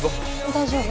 大丈夫。